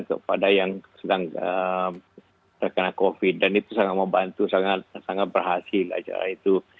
karena covid sembilan belas dan itu sangat membantu sangat berhasil acara itu